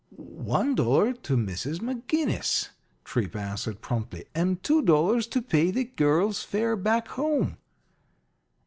"One dollar to Mrs. McGinnis," Tripp answered, promptly, "and two dollars to pay the girl's fare back home."